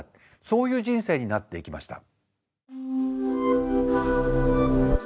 そういう人生になっていきました。